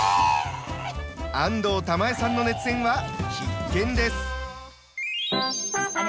安藤玉恵さんの熱演は必見です。